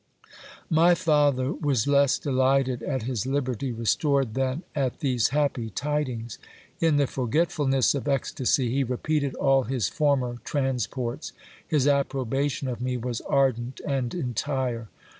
My father was less delighted at his liberty restored than at these happy tidings. In the forgetfulness of ecstacy, he repeated all his former transports. His approbation of me was ardent and entire.